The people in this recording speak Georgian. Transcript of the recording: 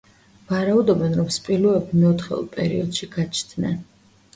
ვარაუდობენ, რომ სპილოები მეოთხეულ პერიოდში გაჩნდნენ.